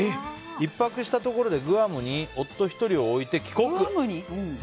１泊したところでグアムに夫１人を置いて帰国。